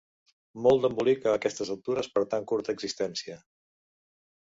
Molt d'embolic a aquestes altures per tan curta existència.